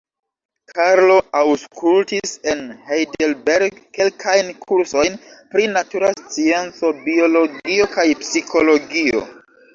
Karlo aŭskultis en Heidelberg kelkajn kursojn pri natura scienco, biologio kaj psikologio.